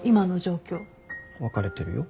ギリ別れてるよ。